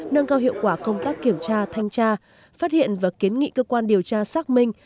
nâng cao hiệu quả công tác kiểm tra thanh tra phát hiện và kiến nghị cơ quan điều tra xác minh